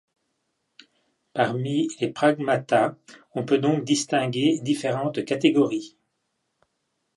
Parmi les pragmata on peut donc distinguer différentes catégories.